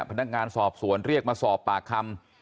พนักงานสอบสวนเรียกมาสอบปากคำ